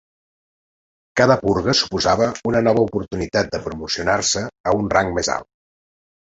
Cada purga suposava una nova oportunitat de promocionar-se a un rang més alt.